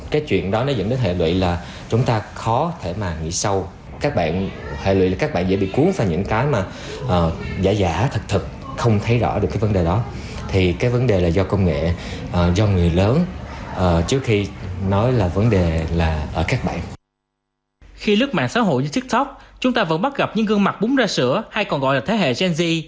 khi lướt mạng xã hội như tiktok chúng ta vẫn bắt gặp những gương mặt búng ra sữa hay còn gọi là thế hệ gen z